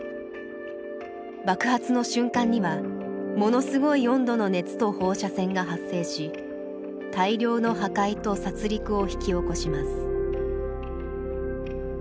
爆発の瞬間にはものすごい温度の熱と放射線が発生し大量の破壊と殺りくを引き起こします。